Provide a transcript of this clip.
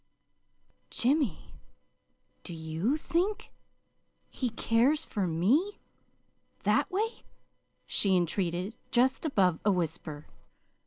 "Jimmy, do YOU think he cares for me that way?" she entreated, just above a whisper.